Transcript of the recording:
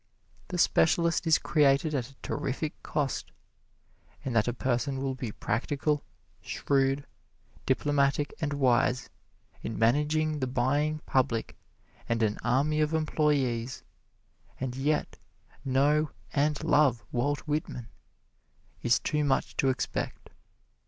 The specialist is created at a terrific cost, and that a person will be practical, shrewd, diplomatic and wise in managing the buying public and an army of employees, and yet know and love Walt Whitman, is too much to expect.